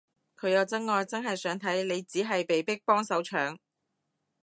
佢有真愛真係想睇，你只係被逼幫手搶